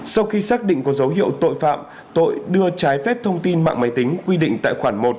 sau khi xác định có dấu hiệu tội phạm tội đưa trái phép thông tin mạng máy tính quy định tại khoản một